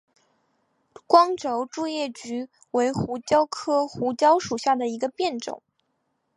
光轴苎叶蒟为胡椒科胡椒属下的一个变种。